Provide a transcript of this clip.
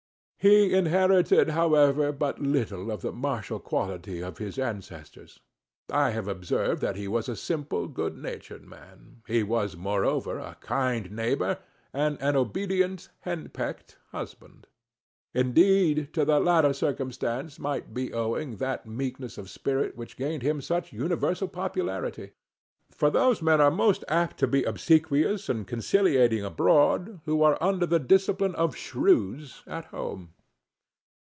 He inherited, however, but little of the martial character of his ancestors. I have observed that he was a simple good natured man; he was, moreover, a kind neighbor, and an obedient hen pecked husband. Indeed, to the latter circumstance might be owing that meekness of spirit which gained him such universal popularity; for those men are most apt to be obsequious and conciliating abroad, who are under the discipline of shrews at home.